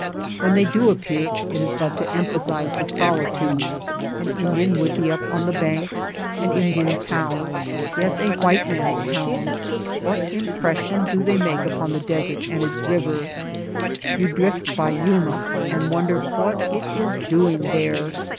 When they do appear it is but to emphasize the solitude. An Indian wickiup on the bank, an Indian town ; yes, a white man^s town, what impression do they make upon the desert and its river ? You drift by Yuma and wonder what it is doing there.